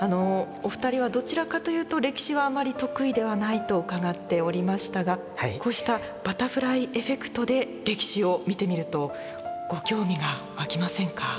お二人はどちらかというと歴史はあまり得意ではないと伺っておりましたがこうした「バタフライエフェクト」で歴史を見てみるとご興味が湧きませんか？